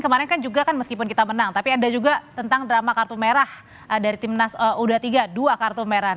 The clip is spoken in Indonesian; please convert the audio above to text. kemarin kan juga kan meskipun kita menang tapi ada juga tentang drama kartu merah dari timnas u dua puluh tiga dua kartu merah